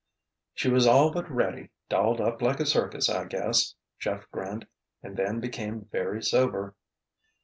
"She was all but ready, dolled up like a circus, I guess," Jeff grinned, and then became very sober.